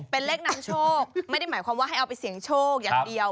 เป็นเลขนำโชคไม่ได้หมายความว่าให้เอาไปเสี่ยงโชคอย่างเดียว